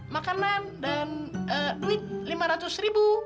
makanan dan duit lima ratus ribu